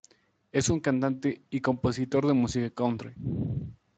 Es un cantante y compositor de música country.